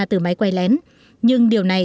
từ máy quay lén nhưng điều này